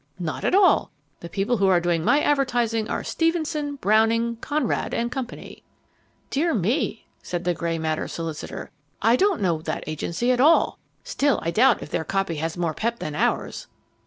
"Not at all. The people who are doing my advertising are Stevenson, Browning, Conrad and Company." "Dear me," said the Grey Matter solicitor. "I don't know that agency at all. Still, I doubt if their copy has more pep than ours."